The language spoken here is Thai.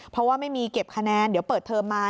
เพราะว่าไม่มีเก็บคะแนนเดี๋ยวเปิดเทอมมา